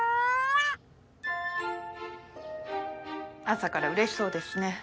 朝から嬉しそうですね。